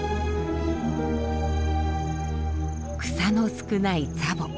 草の少ないツァボ。